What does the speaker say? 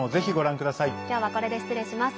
今日は、これで失礼します。